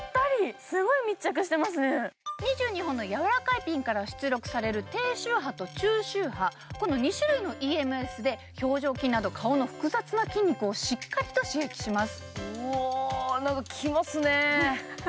２２本の柔らかいピンから出力される低周波と中周波、この２種類のＥＭＳで顔の複雑な筋肉をしっかりと刺激します